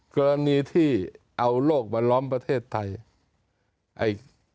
กรณีที่เอาโลกมาล้อมประเทศไทย